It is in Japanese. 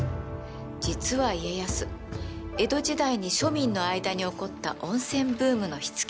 実は家康江戸時代に庶民の間に起こった温泉ブームの火付け役。